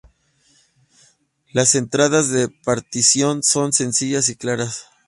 Las entradas de partición son sencillas y claras.